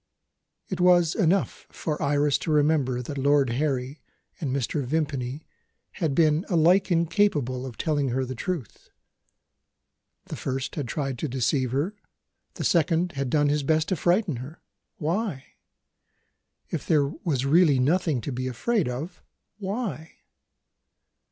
It was enough for Iris to remember that Lord Harry and Mr. Vimpany had been alike incapable of telling her the truth. The first had tried to deceive her; the second had done his best to frighten her. Why? If there was really nothing to be afraid of why?